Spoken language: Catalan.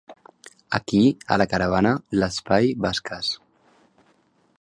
Aquí a la caravana l'espai va escàs.